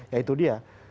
ya itu dia